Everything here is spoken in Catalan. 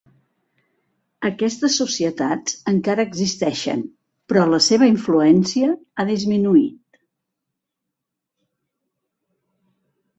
Aquestes societats encara existeixen, però la seva influència ha disminuït.